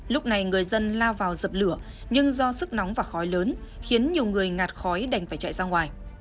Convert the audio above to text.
lúc này người dân lao vào dập lửa nhưng do sức nóng và khói lớn khiến nhiều người ngạt khói đành phải chạy ra ngoài